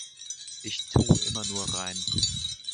Ich tu' immer nur rein.